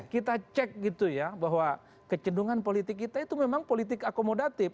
kita cek gitu ya bahwa kecendungan politik kita itu memang politik akomodatif